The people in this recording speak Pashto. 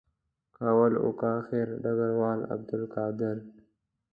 که اول وو که آخر ډګروال عبدالقادر.